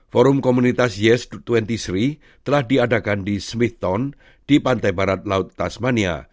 forum komunitas yes dua puluh sri telah diadakan di swithton di pantai barat laut tasmania